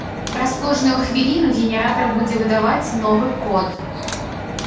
Праз кожную хвіліну генератар будзе выдаваць новы код.